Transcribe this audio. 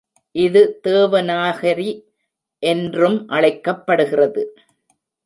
இது தேவநாகரி என்றும் அழைக்கப்படுகிறது.